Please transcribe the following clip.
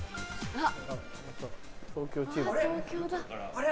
あれ？